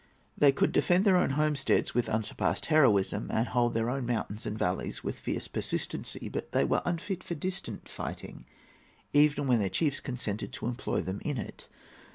They could defend their own homesteads with unsurpassed heroism, and hold their own mountains and valleys with fierce persistency. But they were unfit for distant fighting, even when their chiefs consented to employ them in it.